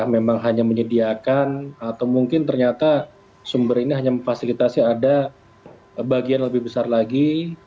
memang hanya menyediakan atau mungkin ternyata sumber ini hanya memfasilitasi ada bagian lebih besar lagi